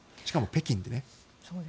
しかも北京でね。